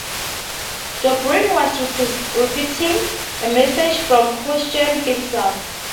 Dobrynin was repeating a message from Khrushchev himself.